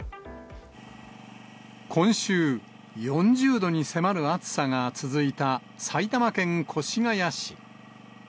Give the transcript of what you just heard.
今週、４０度に迫る暑さが続いた埼玉県越谷市。